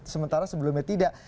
sementara sebelumnya tidak